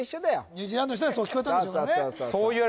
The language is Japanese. ニュージーランドの人はそう聞こえたんでしょうからね